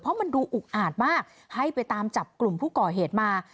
เพราะมันดูอุกอาจมากให้ไปตามจับกลุ่มผู้ก่อเหตุมา